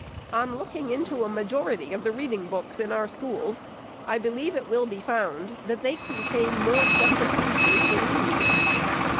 On looking into a majority of the reading books in our schools, I believe it will be found, that they contain more separate pieces than leaves.